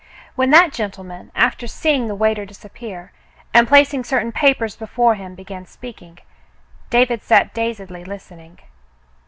When that gentleman, after seeing the waiter disappear, and placing certain papers before him, began speaking, David sat dazedly listening.